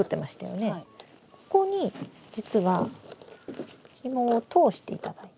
ここに実はひもを通していただいて。